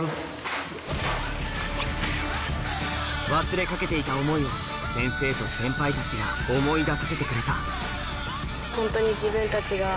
忘れかけていた思いを先生と先輩たちが思い出させてくれたホントに自分たちが。